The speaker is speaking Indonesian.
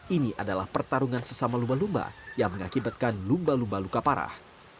ini adalah pertarungan sesama lumba lumba yang mengakibatkan lumba lumba luka parah